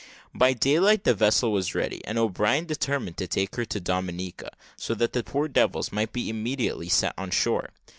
By daylight the vessel was ready, and O'Brien determined to take her to Dominica, so that the poor devils might be immediately set on shore.